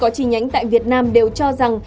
các báo chí nhánh tại việt nam đều cho rằng